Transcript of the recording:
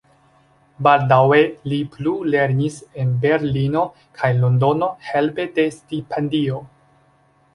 Baldaŭe li plulernis en Berlino kaj Londono helpe de stipendio.